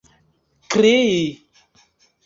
krii